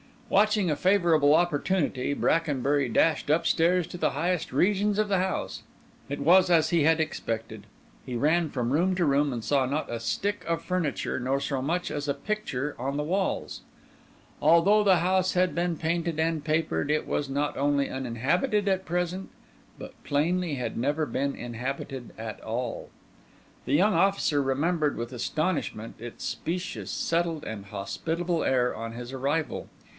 Watching a favourable opportunity, Brackenbury dashed upstairs to the highest regions of the house. It was as he had expected. He ran from room to room, and saw not a stick of furniture nor so much as a picture on the walls. Although the house had been painted and papered, it was not only uninhabited at present, but plainly had never been inhabited at all. The young officer remembered with astonishment its specious, settled, and hospitable air on his arrival.